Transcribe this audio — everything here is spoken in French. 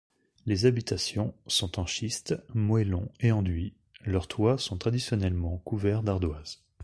Les habitations sont en schiste, moellon et enduit, leurs toits sont traditionnellement couverts d'ardoise.